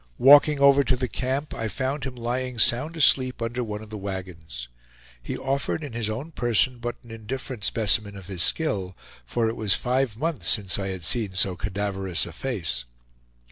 Walking over to the camp, I found him lying sound asleep under one of the wagons. He offered in his own person but an indifferent specimen of his skill, for it was five months since I had seen so cadaverous a face.